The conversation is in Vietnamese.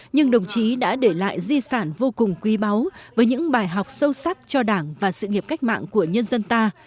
nhưng đồng chí đã để lại di sản vô cùng quý báu với những bài học sâu sắc cho đảng và sự nghiệp cách mạng của nhân dân ta